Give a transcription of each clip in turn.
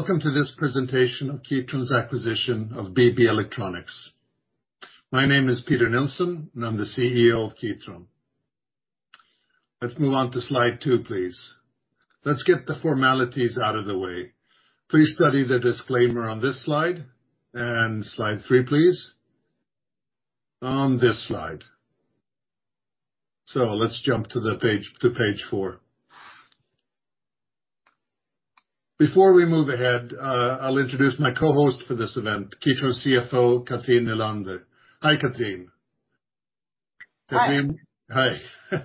Welcome to this presentation of Kitron's acquisition of BB Electronics. My name is Peter Nilsson, and I'm the CEO of Kitron. Let's move on to slide two, please. Let's get the formalities out of the way. Please study the disclaimer on this slide and slide three, please. On this slide. Let's jump to the page, to page four. Before we move ahead, I'll introduce my co-host for this event, Kitron CFO, Cathrin Nylander. Hi, Cathrin. Hi. Cathrin, hi.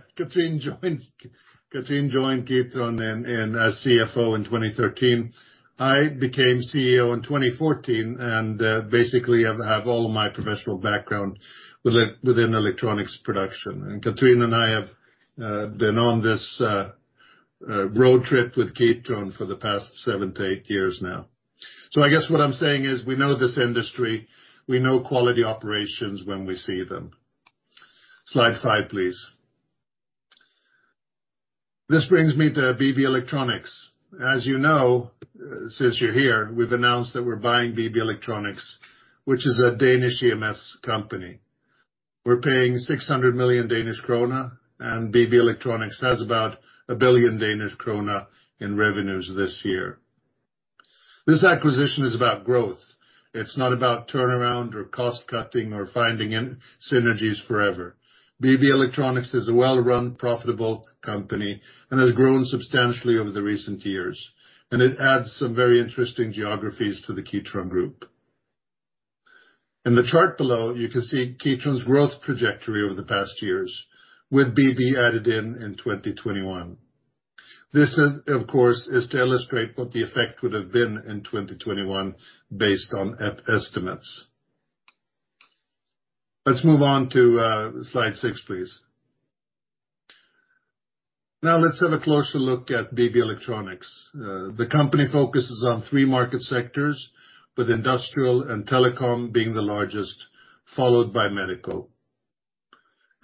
Cathrin joined Kitron and as CFO in 2013. I became CEO in 2014, and basically I've have all of my professional background within electronics production. Cathrin and I have been on this road trip with Kitron for the past seven to eight years now. I guess what I'm saying is, we know this industry, we know quality operations when we see them, slide five, please. This brings me to BB Electronics. As you know, since you're here, we've announced that we're buying BB Electronics, which is a Danish EMS company. We're paying 600 million Danish krone, and BB Electronics has about 1 billion Danish krone in revenues this year. This acquisition is about growth. It's not about turnaround or cost-cutting or finding synergies forever. BB Electronics is a well-run, profitable company and has grown substantially over the recent years, and it adds some very interesting geographies to the Kitron group. In the chart below, you can see Kitron's growth trajectory over the past years with BB added in in 2021. This of course, is to illustrate what the effect would have been in 2021 based on estimates. Let's move on to slide six, please. Now let's have a closer look at BB Electronics. The company focuses on three market sectors, with industrial and telecom being the largest, followed by medical.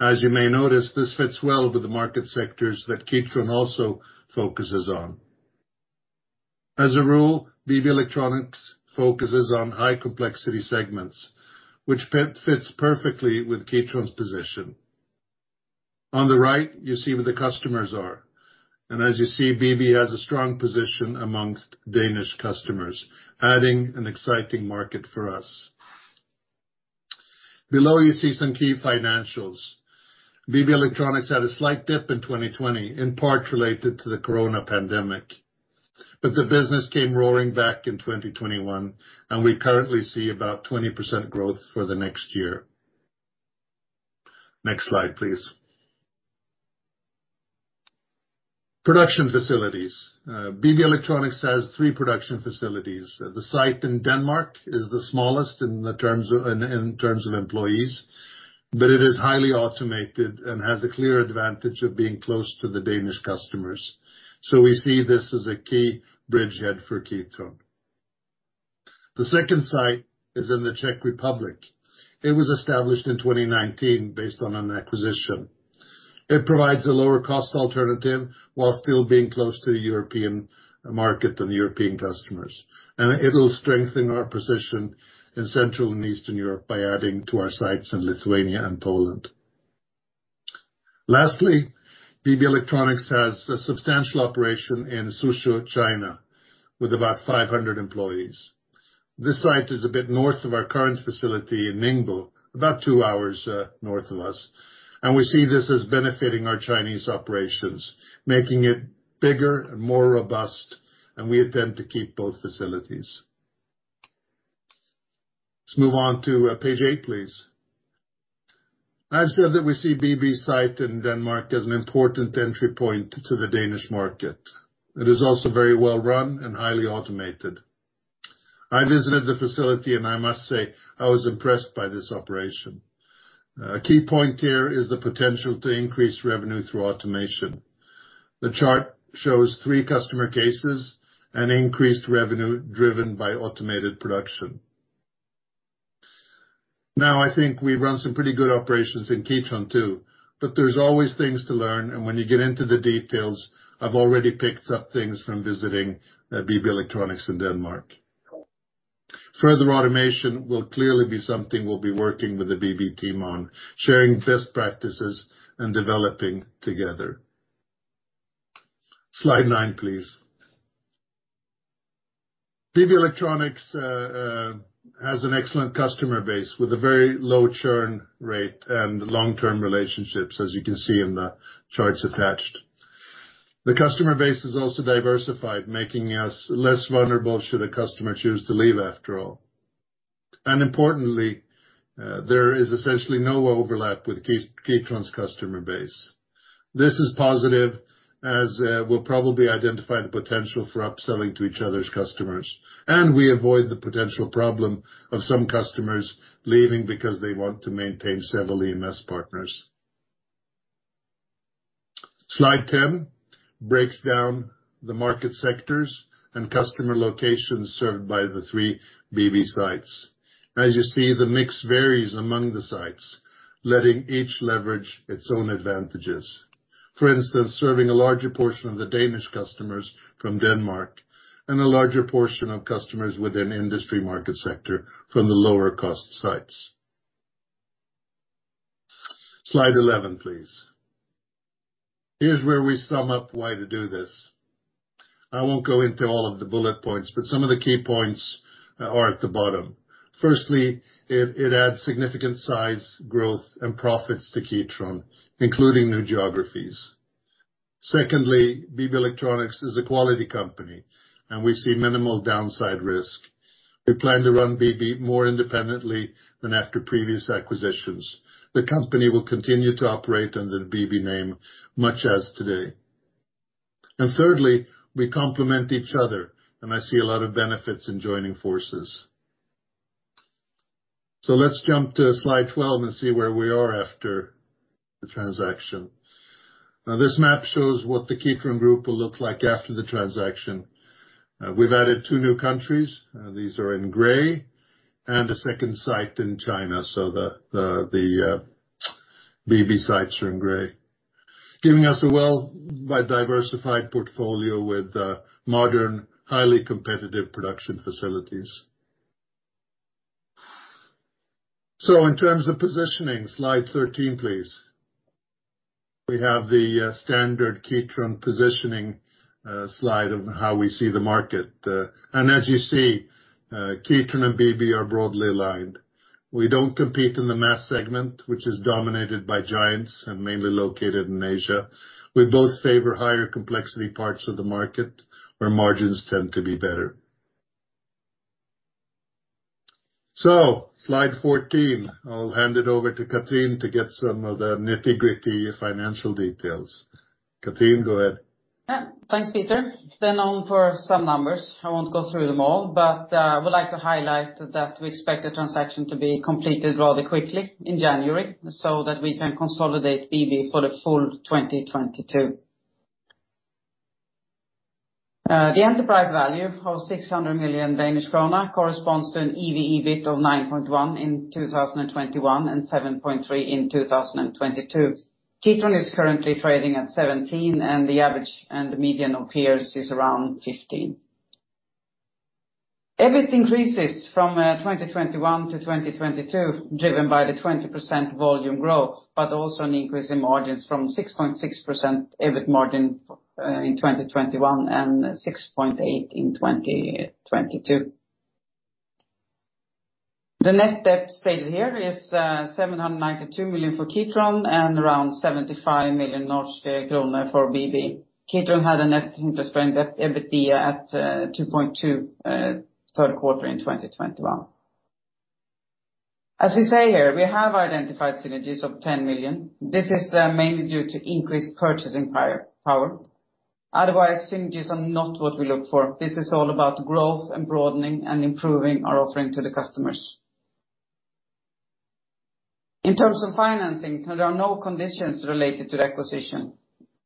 As you may notice, this fits well with the market sectors that Kitron also focuses on. As a rule, BB Electronics focuses on high complexity segments, which fits perfectly with Kitron's position. On the right, you see where the customers are, and as you see, BB has a strong position amongst Danish customers, adding an exciting market for us. Below, you see some key financials. BB Electronics had a slight dip in 2020, in part related to the corona pandemic, but the business came rolling back in 2021, and we currently see about 20% growth for the next year. Next slide, please. Production facilities. BB Electronics has three production facilities. The site in Denmark is the smallest in terms of employees, but it is highly automated and has a clear advantage of being close to the Danish customers. We see this as a key bridge head for Kitron. The second site is in the Czech Republic. It was established in 2019 based on an acquisition. It provides a lower cost alternative while still being close to the European market and European customers. It'll strengthen our position in Central and Eastern Europe by adding to our sites in Lithuania and Poland. Lastly, BB Electronics has a substantial operation in Suzhou, China, with about 500 employees. This site is a bit north of our current facility in Ningbo, about two hours north of us, and we see this as benefiting our Chinese operations, making it bigger and more robust, and we intend to keep both facilities. Let's move on to page eight, please. I've said that we see BB site in Denmark as an important entry point to the Danish market. It is also very well run and highly automated. I visited the facility and I must say I was impressed by this operation. Key point here is the potential to increase revenue through automation. The chart shows three customer cases and increased revenue driven by automated production. I think we run some pretty good operations in Kitron too, but there's always things to learn. When you get into the details, I've already picked up things from visiting BB Electronics in Denmark. Further automation will clearly be something we'll be working with the BB team on, sharing best practices and developing together. Slide nine, please. BB Electronics has an excellent customer base with a very low churn rate and long-term relationships, as you can see in the charts attached. The customer base is also diversified, making us less vulnerable should a customer choose to leave after all. Importantly, there is essentially no overlap with Kitron's customer base. This is positive as we'll probably identify the potential for upselling to each other's customers, and we avoid the potential problem of some customers leaving because they want to maintain several EMS partners. Slide 10 breaks down the market sectors and customer locations served by the three BB sites. As you see, the mix varies among the sites, letting each leverage its own advantages. For instance, serving a larger portion of the Danish customers from Denmark and a larger portion of customers within industry market sector from the lower cost sites. Slide 11, please. Here's where we sum up why to do this. I won't go into all of the bullet points, but some of the key points are at the bottom. Firstly, it adds significant size, growth, and profits to Kitron, including new geographies. Secondly, BB Electronics is a quality company, and we see minimal downside risk. We plan to run BB more independently than after previous acquisitions. The company will continue to operate under the BB name much as today. Thirdly, we complement each other, and I see a lot of benefits in joining forces. Let's jump to slide 12 and see where we are after the transaction. Now, this map shows what the Kitron group will look like after the transaction. We've added two new countries, these are in gray, and a second site in China. The BB sites are in gray. Giving us a well wide diversified portfolio with modern, highly competitive production facilities. In terms of positioning, slide 13, please. We have the standard Kitron positioning slide of how we see the market. As you see, Kitron and BB are broadly aligned. We don't compete in the mass segment, which is dominated by giants and mainly located in Asia. We both favor higher complexity parts of the market where margins tend to be better. Slide 14, I'll hand it over to Cathrin to get some of the nitty-gritty financial details. Cathrin, go ahead. Yeah. Thanks, Peter. On for some numbers. I won't go through them all, but I would like to highlight that we expect the transaction to be completed rather quickly in January, so that we can consolidate BB for the full 2022. The enterprise value of 600 million Danish kroner corresponds to an EBIT of 9.1 in 2021, and 7.3 in 2022. Kitron is currently trading at 17, and the average and median of peers is around 15. EBIT increases from 2021-2022, driven by the 20% volume growth, but also an increase in margins from 6.6% EBIT margin in 2021, and 6.8% in 2022. The net debt stated here is 792 million for Kitron, and around 75 million krone for BB. Kitron had a net interest-bearing debt to EBITDA at 2.2, third quarter in 2021. As we say here, we have identified synergies of 10 million. This is mainly due to increased purchasing power. Otherwise, synergies are not what we look for. This is all about growth and broadening and improving our offering to the customers. In terms of financing, there are no conditions related to the acquisition.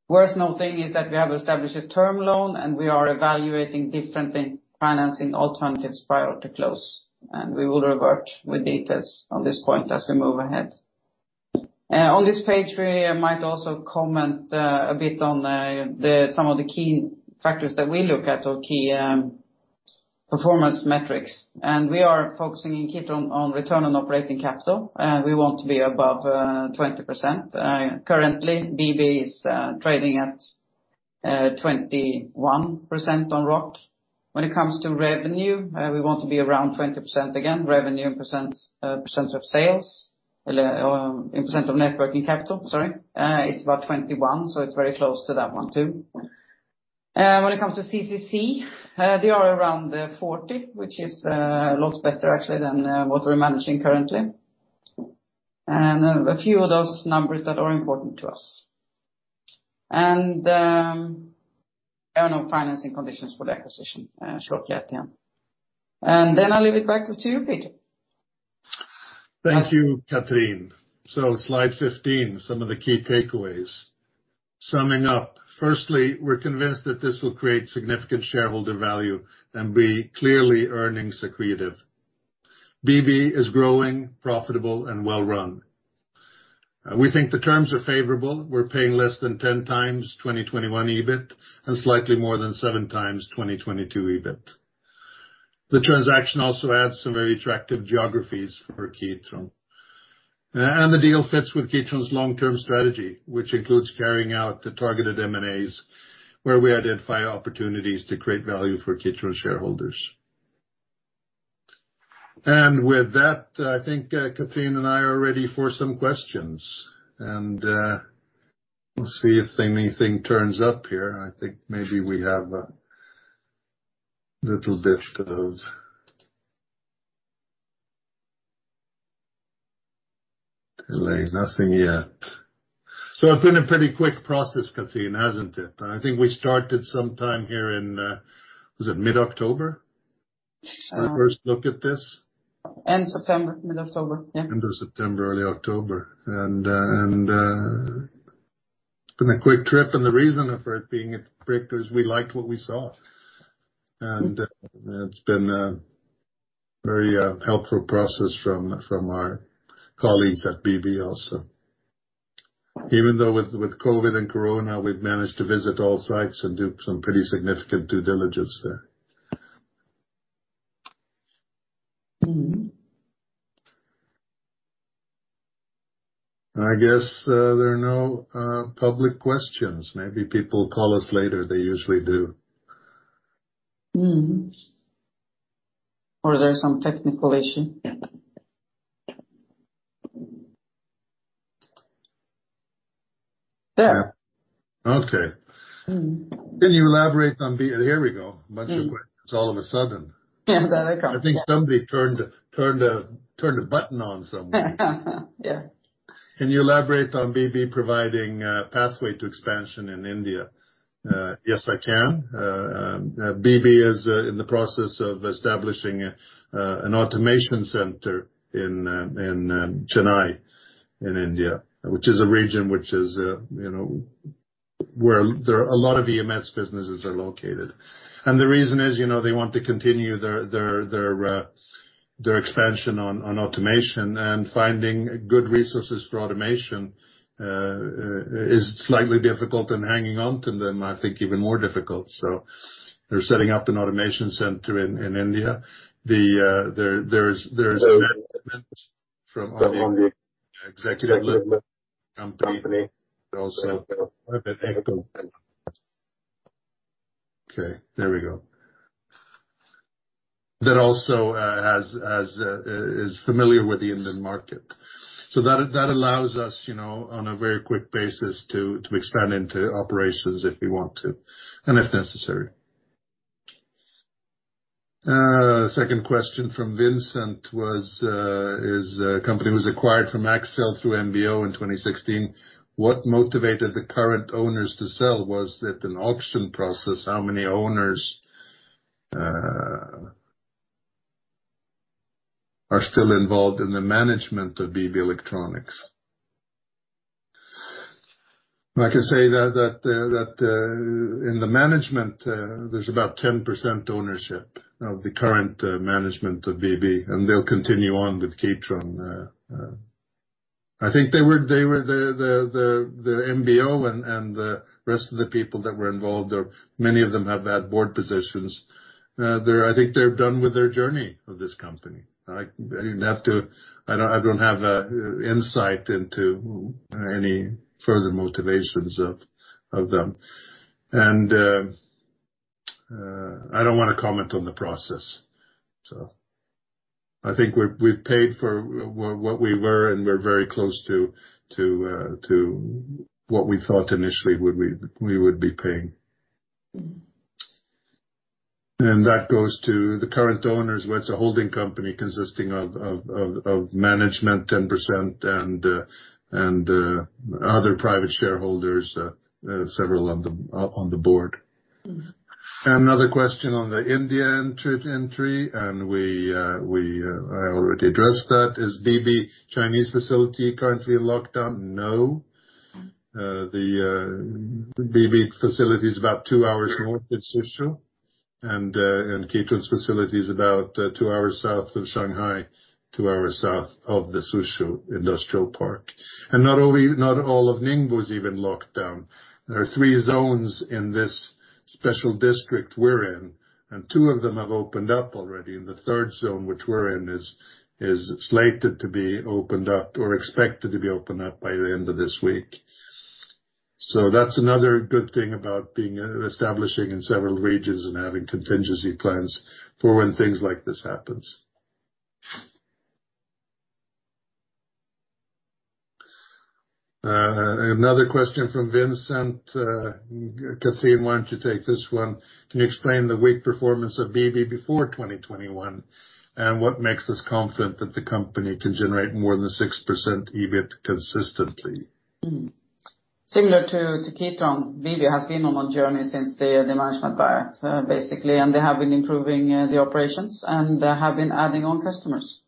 Worth noting is that we have established a term loan, and we are evaluating different financing alternatives prior to close, and we will revert with details on this point as we move ahead. On this page, we might also comment a bit on the some of the key factors that we look at or key performance metrics. We are focusing in Kitron on return on operating capital. We want to be above 20%. Currently, BB is trading at 21% on ROC. When it comes to revenue, we want to be around 20% again. Revenue in %,% of sales, or in % of net working capital, sorry. It's about 21, so it's very close to that one, too. When it comes to CCC, they are around 40, which is lots better actually than what we're managing currently. A few of those numbers that are important to us. There are no financing conditions for the acquisition, shortly at the end. I'll leave it back to you, Peter. Thank you, Cathrin. Slide 15, some of the key takeaways. Summing up. Firstly, we're convinced that this will create significant shareholder value and be clearly earnings accretive. BB is growing, profitable and well-run. We think the terms are favorable. We're paying less than 10 times 2021 EBIT and slightly more than seven times 2022 EBIT. The transaction also adds some very attractive geographies for Kitron. The deal fits with Kitron's long-term strategy, which includes carrying out the targeted M&As, where we identify opportunities to create value for Kitron shareholders. With that, I think Cathrin and I are ready for some questions. We'll see if anything turns up here. I think maybe we have a little bit of delay. Nothing yet. It's been a pretty quick process, Cathrin, hasn't it? I think we started some time here in, was it mid-October? Um- When we first looked at this. End September, mid-October. Yeah. End of September, early October. It's been a quick trip, and the reason for it being quick is we liked what we saw. It's been a very helpful process from our colleagues at BB also. Even though with COVID and corona, we've managed to visit all sites and do some pretty significant due diligence there. I guess there are no public questions. Maybe people call us later. They usually do. Mm-hmm. There are some technical issue. There. Okay. Mm-hmm. Can you elaborate on? Here we go. Bunch of questions all of a sudden. Yeah. I think somebody turned a button on somebody. Yeah. Can you elaborate on BB providing a pathway to expansion in India? Yes, I can. BB is in the process of establishing an automation center in Chennai in India, which is a region which is, you know, where there are a lot of EMS businesses are located. The reason is, you know, they want to continue their expansion on automation and finding good resources for automation is slightly difficult, and hanging on to them, I think even more difficult. They're setting up an automation center in India. There's from other executive company also. Okay, there we go. That also has is familiar with the Indian market. That allows us, you know, on a very quick basis to expand into operations if we want to and if necessary. Second question from Vincent was, is, company was acquired from Axcel through MBO in 2016. What motivated the current owners to sell? Was it an auction process? How many owners are still involved in the management of BB Electronics? I can say that, in the management, there's about 10% ownership of the current management of BB, and they'll continue on with Kitron. I think they were the MBO and the rest of the people that were involved, or many of them have had board positions. I think they're done with their journey of this company. I don't have to, I don't have the insight into any further motivations of them. I don't wanna comment on the process. I think we've paid for what we were, and we're very close to what we thought initially we would be paying. Mm-hmm. That goes to the current owners, where it's a holding company consisting of management 10% and other private shareholders, several on the board. Mm-hmm. Another question on the India entry, and we, I already addressed that. Is BB Chinese facility currently locked down? No. Mm-hmm. The BB facility is about two hours north of Suzhou, and Kitron's facility is about two hours south of Shanghai, two hours south of the Suzhou Industrial Park. Not all of Ningbo is even locked down. There are three zones in this special district we're in, and two of them have opened up already, and the third zone which we're in is slated to be opened up or expected to be opened up by the end of this week. That's another good thing about establishing in several regions and having contingency plans for when things like this happens. Another question from Vincent. Cathrin, why don't you take this one? Can you explain the weak performance of BB before 2021, and what makes us confident that the company can generate more than 6% EBIT consistently? Similar to Kitron, BB has been on a journey since the management buyout, basically, and they have been improving the operations and have been adding on customers.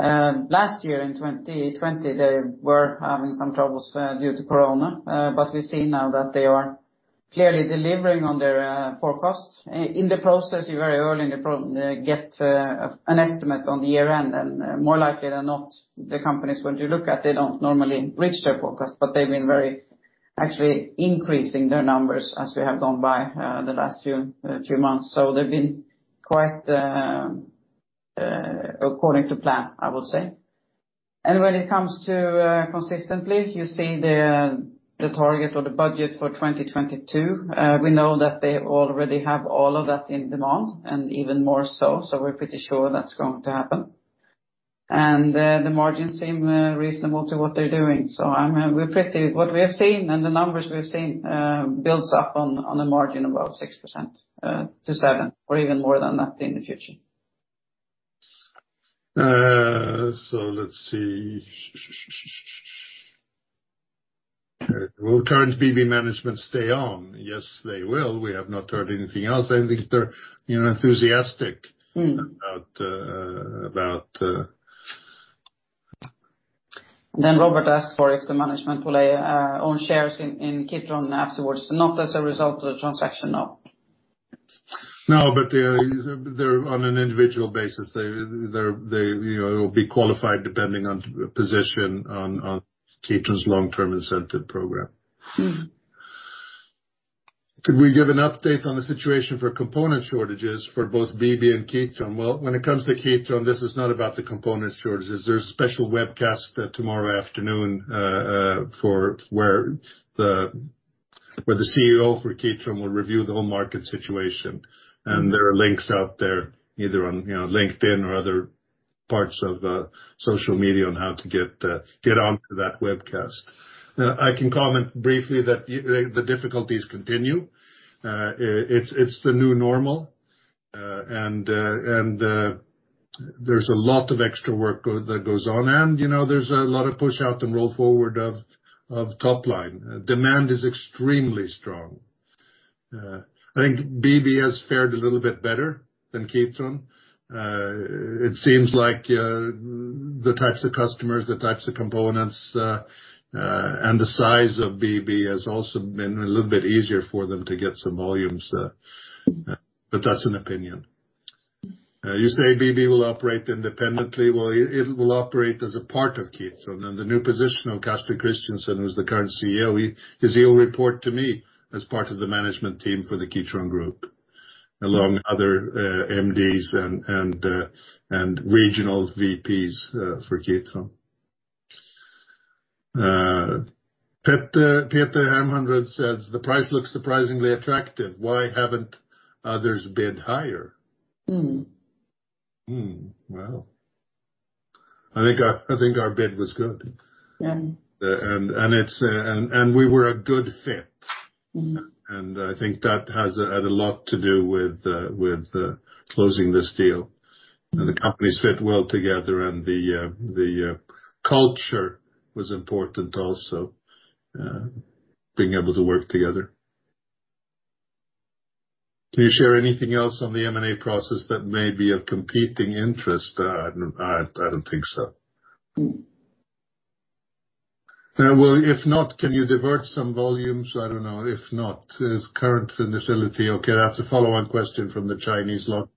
Last year in 2020, they were having some troubles due to Corona. We see now that they are clearly delivering on their forecast. In the process, you very early get an estimate on the year-end, and more likely than not, the companies, when you look at, they don't normally reach their forecast, but they've been very actually increasing their numbers as we have gone by, the last few months. They've been quite according to plan, I would say. When it comes to consistently, you see the target or the budget for 2022. We know that they already have all of that in demand and even more so we're pretty sure that's going to happen. The margins seem reasonable to what they're doing. What we have seen and the numbers we've seen, builds up on a margin about 6%-7% or even more than that in the future. Let's see. Will current BB management stay on? Yes, they will. We have not heard anything else. I think they're, you know, enthusiastic. Mm. about... Robert asked for if the management will own shares in Kitron afterwards. Not as a result of the transaction, no. No, they're on an individual basis. They, you know, will be qualified depending on position on Kitron's long-term incentive program. Mm-hmm. Could we give an update on the situation for component shortages for both BB and Kitron? Well, when it comes to Kitron, this is not about the component shortages. There's a special webcast tomorrow afternoon, where the CEO for Kitron will review the whole market situation. There are links out there, either on, you know, LinkedIn or other parts of social media on how to get onto that webcast. I can comment briefly that the difficulties continue. It's the new normal. There's a lot of extra work that goes on and, you know, there's a lot of push out and roll forward of top line. Demand is extremely strong. I think BB has fared a little bit better than Kitron. It seems like the types of customers, the types of components, and the size of BB has also been a little bit easier for them to get some volumes. That's an opinion. You say BB will operate independently. Well it will operate as a part of Kitron. The new position of Carsten Christensen, who's the current CEO, he will report to me as part of the management team for the Kitron group, along other MDs and regional VPs for Kitron. Peter Hermanrud says the price looks surprisingly attractive. Why haven't others bid higher? Mm. Well, I think our bid was good. Yeah. It's, and we were a good fit. Mm. I think that has a lot to do with closing this deal. You know, the companies fit well together and the culture was important also, being able to work together. Can you share anything else on the M&A process that may be of competing interest? I don't think so. Mm. Well, if not, can you divert some volumes? I don't know. If not, is current facility okay? That's a follow-on question from the Chinese lock. Mm.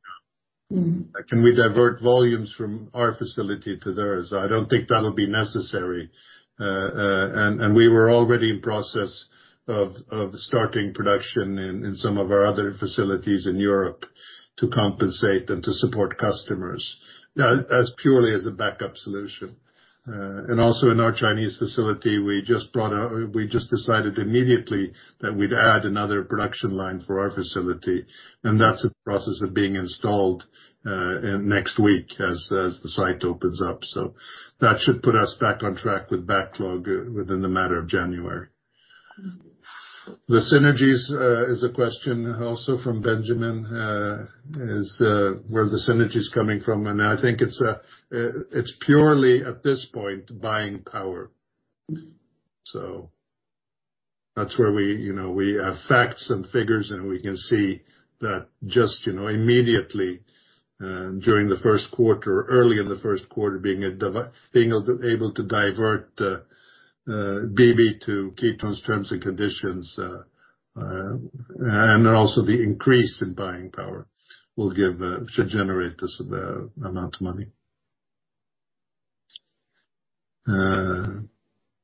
Can we divert volumes from our facility to theirs? I don't think that'll be necessary. We were already in process of starting production in some of our other facilities in Europe to compensate and to support customers. As purely as a backup solution. Also in our Chinese facility, we just decided immediately that we'd add another production line for our facility, and that's a process of being installed in next week as the site opens up. That should put us back on track with backlog within the matter of January. Mm. The synergies, is a question also from Benjamin, is where the synergy is coming from. I think it's purely at this point, buying power. Mm. That's where we, you know, we have facts and figures, and we can see that just, you know, immediately, during the first quarter, early in the first quarter, being able to divert BB to Kitron's terms and conditions, and also the increase in buying power should generate this, amount of money.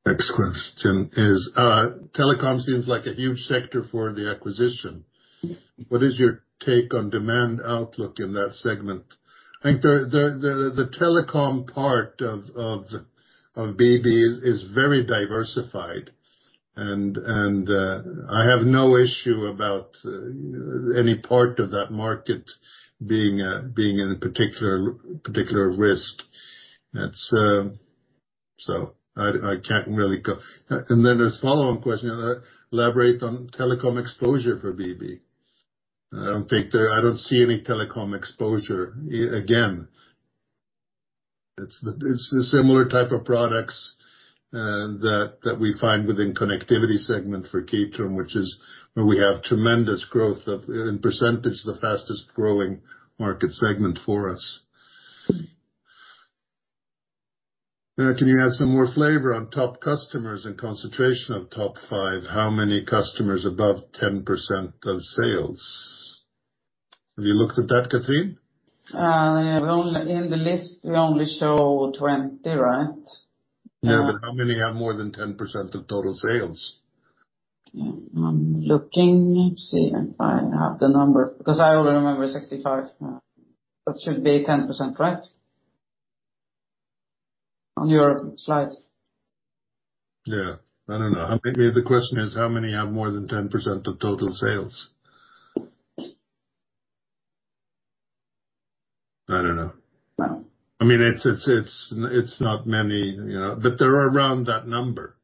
Next question is, telecom seems like a huge sector for the acquisition. Mm. What is your take on demand outlook in that segment? I think the telecom part of BB is very diversified and I have no issue about any part of that market being in a particular risk. That's. I can't really go. Then there's follow-on question. Elaborate on telecom exposure for BB. I don't see any telecom exposure, again. It's the similar type of products that we find within connectivity segment for Kitron, which is where we have tremendous growth of, in percentage, the fastest-growing market segment for us. Can you add some more flavor on top customers and concentration of top five? How many customers above 10% of sales? Have you looked at that, Cathrin? In the list, we only show 20, right? Yeah, how many have more than 10% of total sales? I'm looking. Let me see if I have the number, because I only remember 65. That should be 10%, right? On your slide. Yeah. I don't know. The question is, how many have more than 10% of total sales? I don't know. No. I mean, it's not many, you know, but they're around that number.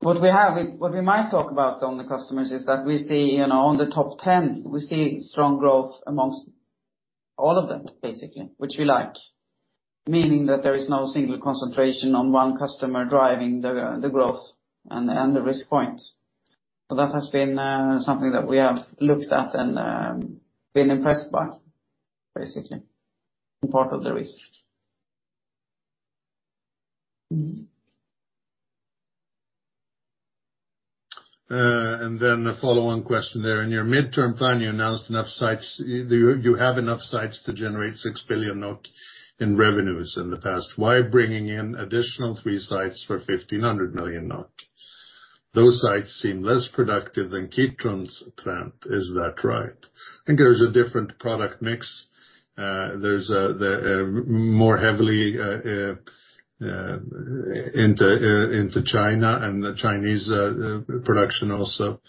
What we might talk about on the customers is that we see, you know, on the top 10, we see strong growth amongst all of them, basically, which we like. Meaning that there is no single concentration on one customer driving the growth and the risk points. That has been something that we have looked at and been impressed by, basically. Part of the risk. Then a follow-on question there. In your midterm plan, you announced enough sites. Do you have enough sites to generate 6 billion NOK in revenues in the past? Why bringing in additional three sites for 1.5 billion NOK? Those sites seem less productive than Kitron's plant. Is that right? I think there's a different product mix. There's a more heavily into China and the Chinese production also.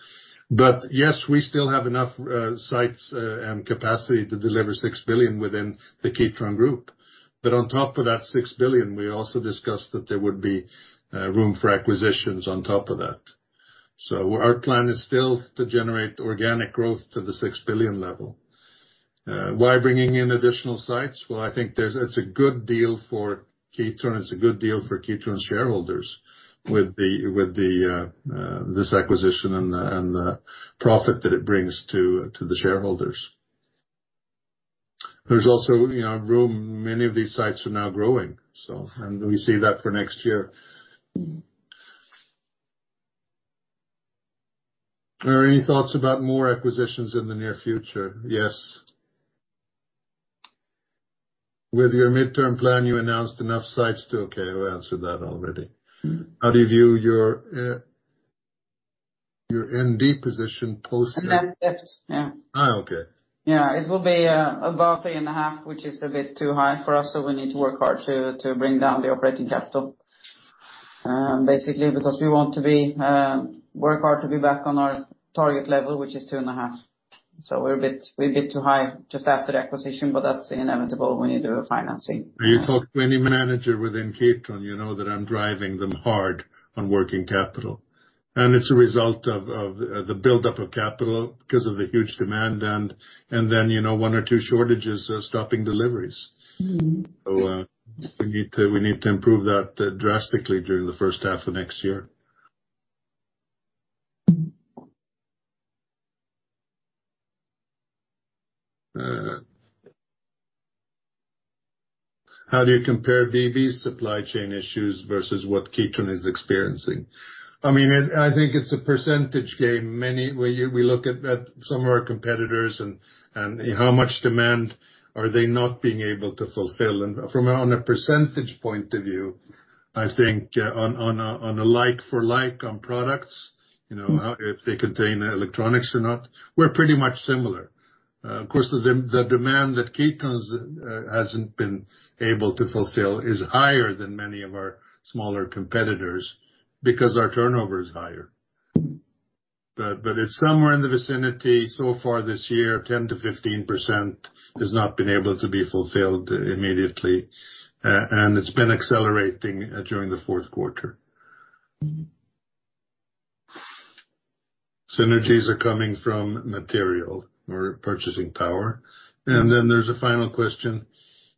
Yes, we still have enough sites and capacity to deliver 6 billion within the Kitron Group. On top of that 6 billion, we also discussed that there would be room for acquisitions on top of that. Our plan is still to generate organic growth to the 6 billion level. Why bringing in additional sites? Well, I think there's it's a good deal for Kitron, it's a good deal for Kitron shareholders with the this acquisition and the profit that it brings to the shareholders. There's also, you know, room. Many of these sites are now growing, so. We see that for next year. Are there any thoughts about more acquisitions in the near future? Yes. With your midterm plan, you announced enough sites to... Okay, we answered that already. How do you view your your ND position post acquisition? Net Debt. Yeah. Okay. Yeah. It will be above 3.5, which is a bit too high for us, so we need to work hard to bring down the operating capital, basically because we want to be work hard to be back on our target level, which is 2.5. We're a bit too high just after the acquisition, but that's inevitable when you do a financing. When you talk to any manager within Kitron, you know that I'm driving them hard on working capital. It's a result of the buildup of capital 'cause of the huge demand and then, you know, one or two shortages stopping deliveries. Mm-hmm. We need to improve that drastically during the first half of next year. How do you compare BB's supply chain issues versus what Kitron is experiencing? I mean, I think it's a percentage game. We look at some of our competitors and how much demand are they not being able to fulfill. From a percentage point of view, I think, on a like for like on products, you know, if they contain electronics or not, we're pretty much similar. Of course, the demand that Kitron's hasn't been able to fulfill is higher than many of our smaller competitors because our turnover is higher. It's somewhere in the vicinity so far this year, 10%-15% has not been able to be fulfilled immediately, and it's been accelerating during the fourth quarter. Synergies are coming from material or purchasing power. There's a final question.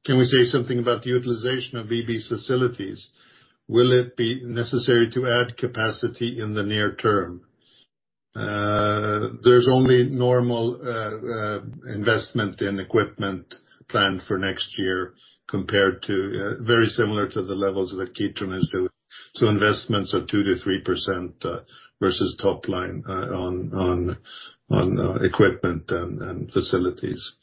Can we say something about the utilization of BB's facilities? Will it be necessary to add capacity in the near term? There's only normal investment in equipment planned for next year compared to very similar to the levels that Kitron is doing. Investments of 2%-3% versus top line, on equipment and facilities.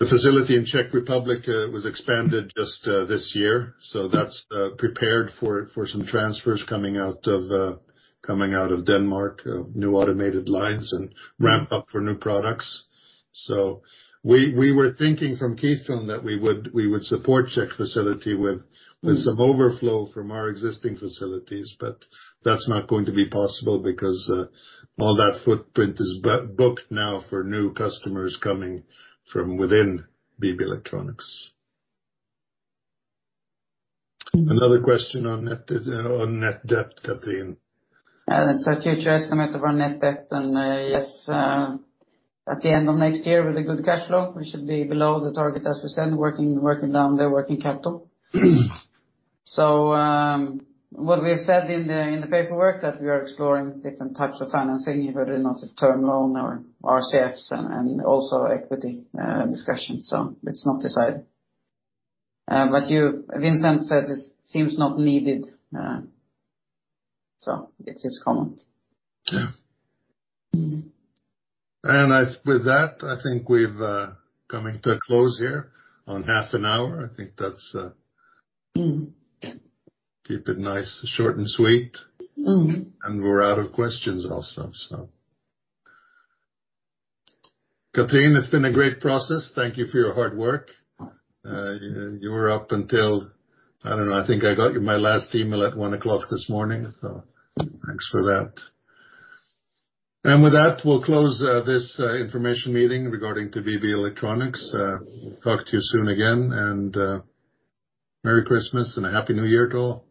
The facility in Czech Republic was expanded just this year, so that's prepared for some transfers coming out of Denmark, new automated lines and ramp up for new products. We were thinking from Kitron that we would support Czech facility with some overflow from our existing facilities, but that's not going to be possible because all that footprint is booked now for new customers coming from within BB Electronics. Another question on Net Debt, Cathrin. That's our future estimate of our Net Debt. Yes, at the end of next year, with the good cash flow, we should be below the target, as we said, working down the working capital. What we have said in the paperwork, that we are exploring different types of financing, whether or not it's term loan or RCFs and also equity discussion. It's not decided. But Vincent says it seems not needed, so it's his comment. Yeah. Mm-hmm. With that, I think we've coming to a close here on half an hour. I think that's. Mm-hmm. Keep it nice, short and sweet. Mm-hmm. We're out of questions also. So Cathrin, it's been a great process. Thank you for your hard work. You were up until, I don't know, I think I got my last email at 1:00 A.M. this morning. So thanks for that. With that, we'll close this information meeting regarding to BB Electronics. We'll talk to you soon again. Merry Christmas and a happy New Year to all.